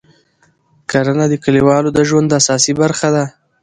کرنه د کلیوالو د ژوند اساسي برخه ده